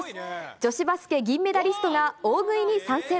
女子バスケ銀メダリストが大食いに参戦。